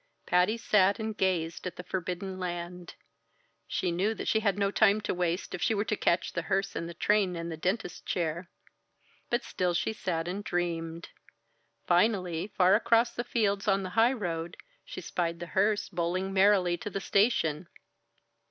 Patty sat and gazed at the forbidden land. She knew that she had no time to waste if she were to catch the hearse and the train and the dentist's chair. But still she sat and dreamed. Finally, far across the fields on the highroad, she spied the hearse bowling merrily to the station.